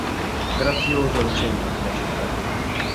Grazioso è il centro della città.